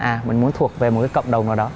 à mình muốn thuộc về một cái cộng đồng nào đó